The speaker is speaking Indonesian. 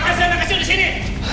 re terima kasih sudah disini